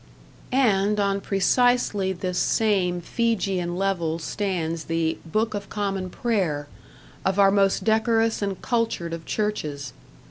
And on precisely this same Fijian level stands the "Book of Common Prayer" of our most decorous and cultured of churches.